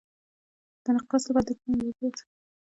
د نقرس لپاره د کومې میوې اوبه وڅښم؟